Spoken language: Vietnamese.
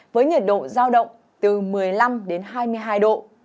với nhiệt độ giao động từ một mươi năm đến hai mươi hai độ